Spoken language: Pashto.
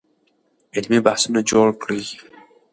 علمي بحثونه جوړ کړئ.